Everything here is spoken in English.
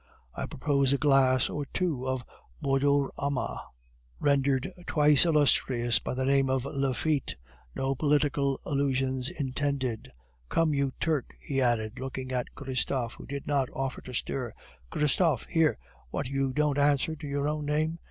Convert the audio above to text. I propose a glass or two of Bordeauxrama, rendered twice illustrious by the name of Laffite, no political allusions intended. Come, you Turk!" he added, looking at Christophe, who did not offer to stir. "Christophe! Here! What, you don't answer to your own name?